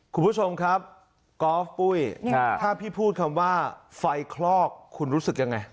คุณผู้ชมครับกอล์ฟปุ้ยถ้าพี่พูดคำว่าไฟคลอกคุณรู้สึกยังไง